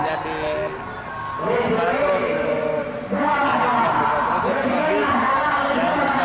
jadi ini bukan hal yang terlalu yang terlalu rusak